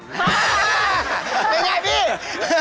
เป็นอย่างง่ายพี่